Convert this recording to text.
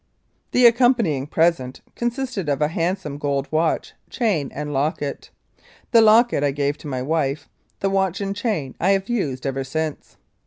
"The accompanying present" consisted of a hand some gold watch, chain and locket. The locket I gave to my wife, the watch and chain I have used ever since.